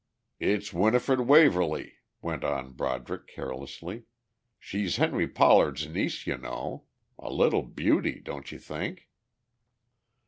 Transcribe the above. "It's Winifred Waverly," went on Broderick carelessly. "She's Henry Pollard's niece, you know. A little beauty, don't you think?"